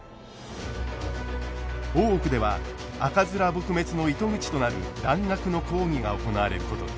大奥では赤面撲滅の糸口となる蘭学の講義が行われることに。